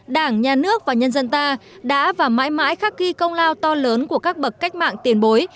đảng nhà nước và nhân dân ta đã và mãi mãi khắc ghi công lao to lớn của các bậc cách mạng tiền bối